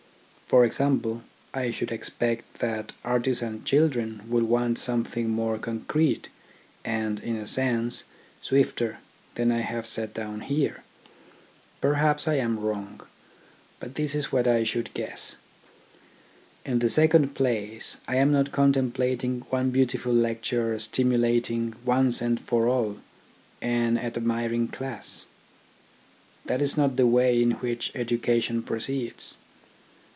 For example, I should expect that artisan children will want something more concrete and, in a sense, swifter than I have set down here. Perhaps I am wrong, but that is what I should guess. In the second place, I am not contemplating one beautiful lecture stimulating, once and for all, an admiring class. That is not the way in which education proceeds'.